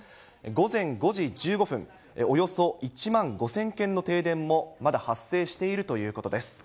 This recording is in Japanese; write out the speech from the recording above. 午前５時１５分、およそ１万５０００軒の停電もまだ発生しているということです。